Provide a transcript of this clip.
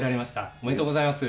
おめでとうございます。